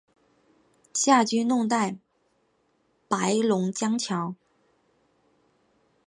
夏军弄断白龙江桥。